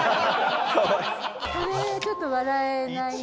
「これちょっと笑えないね」